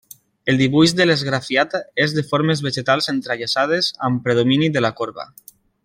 El dibuix de l'esgrafiat és de formes vegetals entrellaçades, amb predomini de la corba.